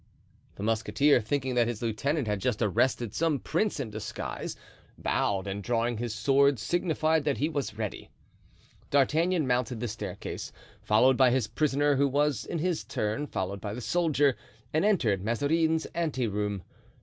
The musketeer, thinking that his lieutenant had just arrested some prince in disguise, bowed, and drawing his sword, signified that he was ready. D'Artagnan mounted the staircase, followed by his prisoner, who in his turn was followed by the soldier, and entered Mazarin's ante room.